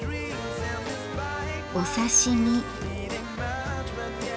お刺身。